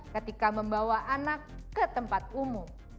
ketika membawa anak ke tempat umum